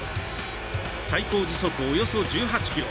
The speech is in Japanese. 最高時速およそ１８キロ。